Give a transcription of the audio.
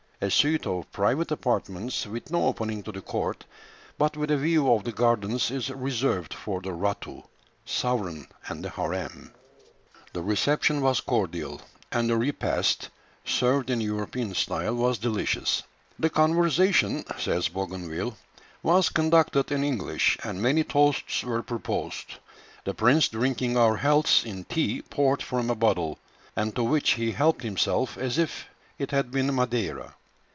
A suite of private apartments, with no opening to the court, but with a view of the gardens, is reserved for the "Ratu" (sovereign) and the harem. The reception was cordial, and the repast, served in European style, was delicious. "The conversation," says Bougainville, "was conducted in English, and many toasts were proposed, the prince drinking our healths in tea poured from a bottle, and to which he helped himself as if it had been Madeira.